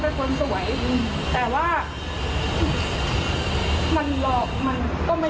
มีความรู้สึกว่ามีความรู้สึกว่ามีความรู้สึกว่า